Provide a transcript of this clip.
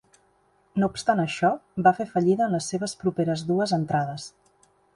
No obstant això, va fer fallida en les seves properes dues entrades.